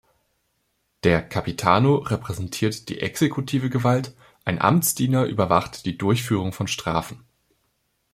Der "Capitano" repräsentiert die exekutive Gewalt, ein „Amtsdiener“ überwacht die Durchführung von Strafen.